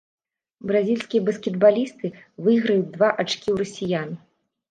Бразільскія баскетбалісты выйграюць два ачкі ў расіян.